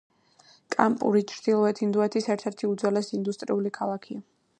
კანპური ჩრდილოეთ ინდოეთის ერთ-ერთი უძველესი ინდუსტრიული ქალაქია.